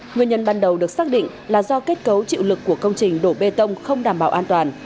nguyên nhân ban đầu được xác định là do kết cấu chịu lực của công trình đổ bê tông không đảm bảo an toàn